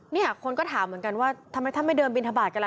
เนี่ยคนก็ถามเหมือนกันว่าทำไมท่านไม่เดินบินทบาทกันล่ะ